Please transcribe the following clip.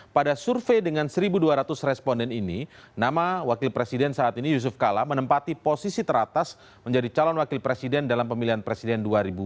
pada survei dengan satu dua ratus responden ini nama wakil presiden saat ini yusuf kala menempati posisi teratas menjadi calon wakil presiden dalam pemilihan presiden dua ribu sembilan belas